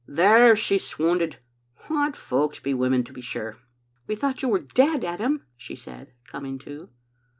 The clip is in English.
There, she's swotmded. What folks be women, to be sure. ' "'We thought you were dead, Adam," she said, coming to.